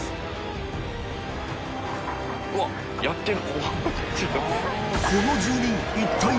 うわっやってる。